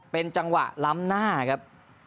เป็นจังหวะล้ำหน้าครับ